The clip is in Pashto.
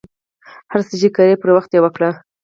هر څه ،چې کرئ پر وخت یې وکرئ.